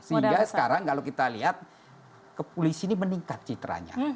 sehingga sekarang kalau kita lihat kepolisian ini meningkat citranya